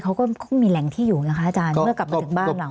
เขาก็คงมีแหล่งที่อยู่นะคะอาจารย์เมื่อกลับมาถึงบ้านหลัง